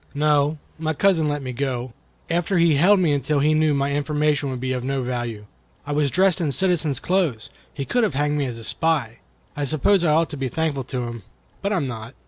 "No; my cousin let me go, after he had held me until he knew my information would be of no value. I was dressed in citizen's clothes. He could have had me hanged as a spy. I suppose I ought to be thankful to him, but I am not."